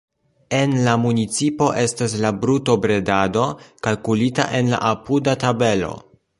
En la municipo estas la brutobredado kalkulita en la apuda tabelo.